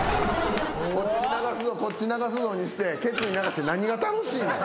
こっち流すぞこっち流すぞにしてケツに流して何が楽しいねん。